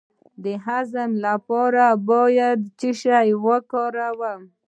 د هضم لپاره باید څه شی وکاروم؟